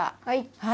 はい。